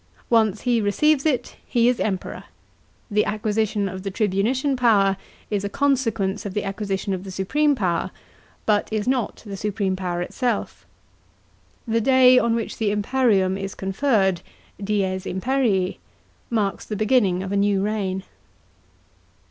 Once he receives it, he is Emperor ; the acquisition of the tribunician power is a consequence of the acquisition of the supreme power, but is not the supreme power itself. The day on which the imperium is conferred (dies imperil) marks the beginning of a new reign.